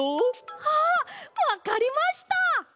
あっわかりました！